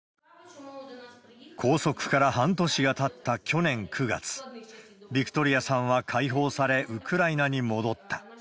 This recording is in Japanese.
拘束から半年がたった去年９月、ヴィクトリアさんは解放され、ウクライナに戻った。